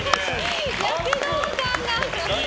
躍動感が。